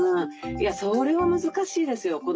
それは難しいですよ